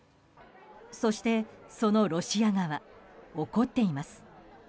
そして、そのロシア側怒っています。